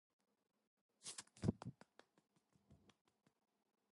The Antiphoner miraculously survived the Reformation, probably thanks to the local Holdych family.